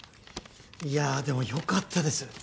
いやでもよかったです